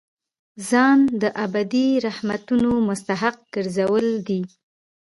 ځان د ابدي رحمتونو مستحق ګرځول دي.